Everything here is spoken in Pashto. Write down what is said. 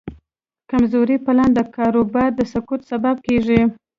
کمزوری پلان د کاروبار د سقوط سبب کېږي.